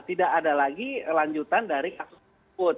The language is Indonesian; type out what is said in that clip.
tidak ada lagi lanjutan dari kasus tersebut